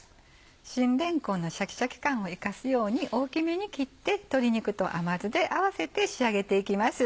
新れんこんのシャキシャキ感を生かすように大きめに切って鶏肉と甘酢で合わせて仕上げていきます。